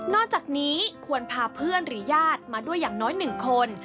จากนี้ควรพาเพื่อนหรือญาติมาด้วยอย่างน้อย๑คน